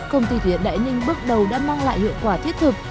công ty điện đại ninh bước đầu đã mang lại hiệu quả thiết thực